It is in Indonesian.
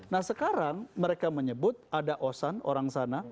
nah sekarang mereka menyebut ada osan orang sana